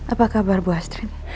apa kabar bu astrid